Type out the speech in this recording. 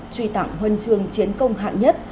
truy tặng huân trường chiến công hạng nhất